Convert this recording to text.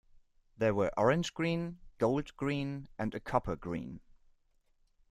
There were orange-green, gold-green, and a copper-green.